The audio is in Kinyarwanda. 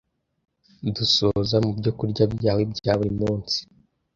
Dusoza, mu byo kurya byawe bya buri munsi,